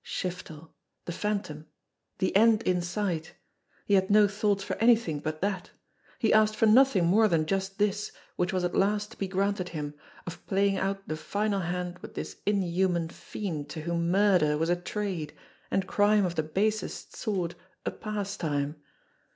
Shiftel the Phantom the end in sight ! He had no thought for anything but that ; he asked for nothing more than just this, which was at last to be granted him, of playing out the final hand with this inhuman fiend to whom murder was a trade, and crime of the basest sort a pastime.